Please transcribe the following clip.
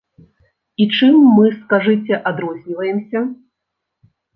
І чым мы, скажыце, адрозніваемся?